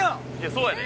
そうやで。